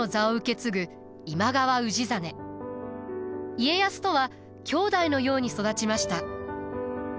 家康とは兄弟のように育ちました。